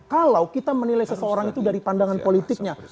kalau kita menilai seseorang itu dari pandangan politiknya